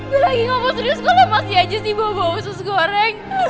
gue lagi ngomong serius kok lemas dia aja sih bawa bawa usus goreng